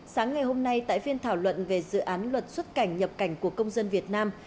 sáng ngày hôm nay tại phiên thảo luận về dự án luật xuất cảnh nhập cảnh của công dân việt nam